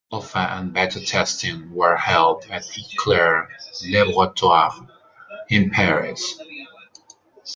Alpha and beta testing were held at Eclair Laboratoires in Paris.